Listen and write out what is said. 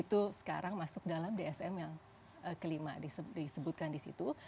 itu sekarang masuk dalam dsm yang kelima disebutkan di situ